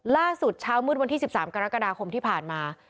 ล่าสุดเช้ามืดวันที่๑๓กรกฎาคมที่ผ่านมา